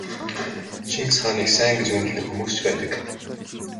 Чингис хааныг сайн гэж үнэлдэг хүмүүс ч байдаг.